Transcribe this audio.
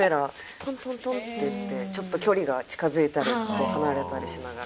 トントントンっていってちょっと距離が近づいたり離れたりしながら。